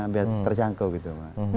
biar terjangkau gitu